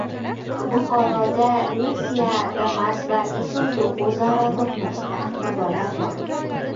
Buxoroda «Nexia» «Damas» va «Isuzu» o‘zaro to‘qnashdi. Qurbonlar bor